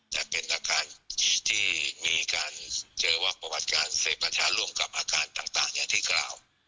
แต่เป็นอาการที่มีการเจอว่าประวัติการเสพกัญชาร่วมกับอาการต่างอย่างที่กล่าว